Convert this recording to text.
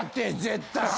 絶対。